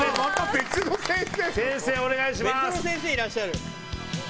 別の先生いらっしゃる？